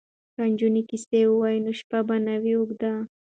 که نجونې کیسه ووايي نو شپه به نه وي اوږده.